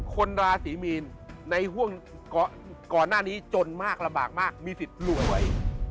ราศีมีนในห่วงก่อนหน้านี้จนมากลำบากมากมีสิทธิ์รวย